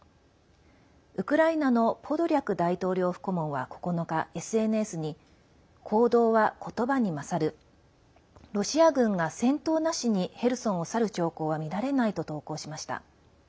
ウクライナのポドリャク大統領府顧問は９日、ＳＮＳに「行動はことばに勝るロシア軍が戦闘なしにヘルソンを去る兆候は見られない」と投稿しました。